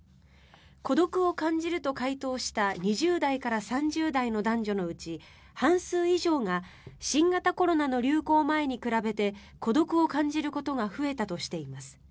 孤独を感じると回答した２０代から３０代の男女のうち半数以上が新型コロナの流行前に比べて孤独を感じることが増えたとしています。